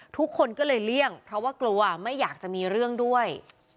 เพราะว่ากลัวไม่อยากจะมีเรื่องด้วย